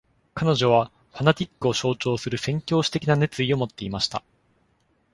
彼女はファナティックを象徴する宣教師的な熱意を持っていました。